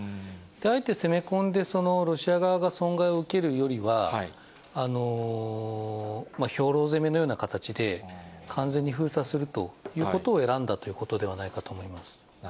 あえて攻め込んで、ロシア側が損害を受けるよりは、兵糧攻めのような形で、完全に封鎖するということを選んだということではないかと思います。